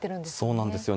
そうなんですよ。